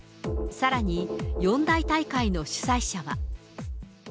さらに、四大大会の主催者は。